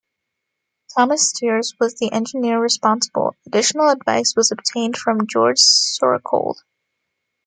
Thomas Steers was the engineer responsible; additional advice was obtained from George Sorocold.